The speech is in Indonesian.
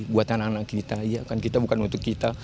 buat anak anak kita iya kan kita bukan untuk kita